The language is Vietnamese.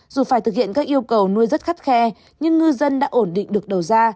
dù phải thực hiện các yêu cầu nuôi rất khắt khe nhưng ngư dân đã ổn định được đầu ra